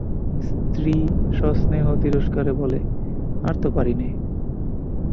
স্ত্রী সস্নেহ তিরস্কারে বলে, আর তো পারি নে।